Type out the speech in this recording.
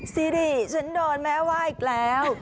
ซีรีย์ฉันโดนแม่ว่าอีกแล้ว